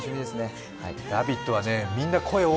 「ラヴィット！」はみんな声大